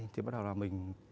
thì bắt đầu là mình